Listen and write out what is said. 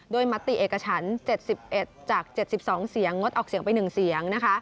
มติเอกฉัน๗๑จาก๗๒เสียงงดออกเสียงไป๑เสียง